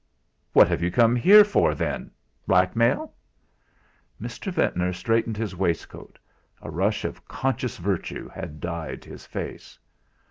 "What have you come here for, then blackmail?" Mr. Ventnor straightened his waistcoat; a rush of conscious virtue had dyed his face.